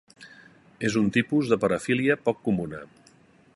És un tipus de parafília poc comuna.